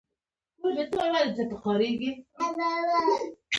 هرات د هنر، فرهنګ او معمارۍ په برخه کې شهرت لري.